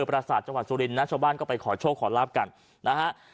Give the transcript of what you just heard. ประสาทจังหวัดสุรินทนะชาวบ้านก็ไปขอโชคขอลาบกันนะฮะ